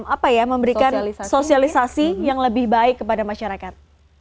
apa ya memberikan sosialisasi yang lebih baik kepada masyarakat